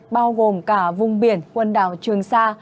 bao gồm cả vùng biển quần đảo trường sa